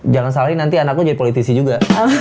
jangan salah ini nanti anak lo jadi politisi juga